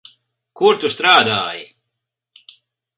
Kur tu strādāji?